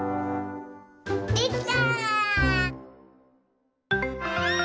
できた！